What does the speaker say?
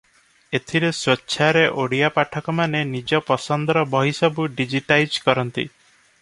ଏଥିରେ ସ୍ୱେଚ୍ଛାରେ ଓଡ଼ିଆ ପାଠକମାନେ ନିଜ ପସନ୍ଦର ବହିସବୁକୁ ଡିଜିଟାଇଜ କରନ୍ତି ।